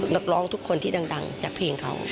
นักร้องทุกคนที่ดังจากเพลงเขา